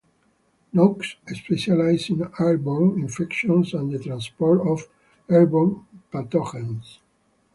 Noakes specialises in airborne infections and the transport of airborne pathogens.